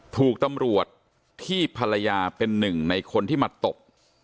ถูกตำรวจที่ภรรยาเป็นหนึ่งในคนที่มาตบ